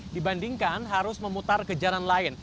dibandingkan harus memutar ke jalan lain